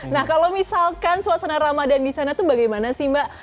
nah kalau misalkan suasana ramadan di sana itu bagaimana sih mbak